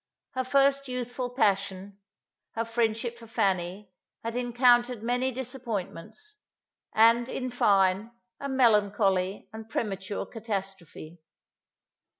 Her first youthful passion, her friendship for Fanny, had encountered many disappointments, and, in fine, a melancholy and premature catastrophe.